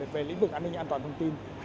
về lĩnh vực an ninh an toàn thông tin